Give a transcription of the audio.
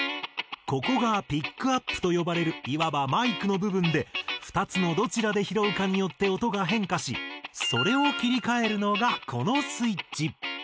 ここがピックアップと呼ばれるいわばマイクの部分で２つのどちらで拾うかによって音が変化しそれを切り替えるのがこのスイッチ。